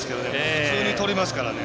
普通にとりますからね。